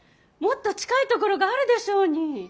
もっと近い所があるでしょうに。